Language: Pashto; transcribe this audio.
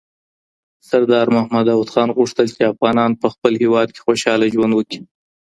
سردار محمد داود خان غوښتل چي افغانان په خپل هېواد کي خوشحاله ژوند وکړي.